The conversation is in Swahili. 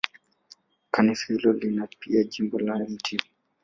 Kanisa hilo lina pia jimbo la Mt.